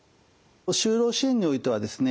就労支援においてはですね